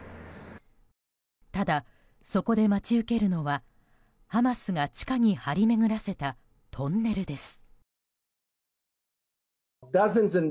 ただ、そこで待ち受けるのはハマスが地下に張り巡らせたトンネルです。